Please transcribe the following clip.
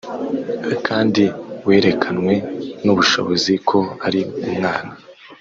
kandi werekanywe n ubushobozi ko ari Umwana